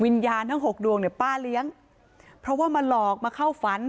วิญญาณทั้งหกดวงเนี่ยป้าเลี้ยงเพราะว่ามาหลอกมาเข้าฝัน